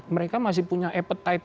mereka masih punya appetite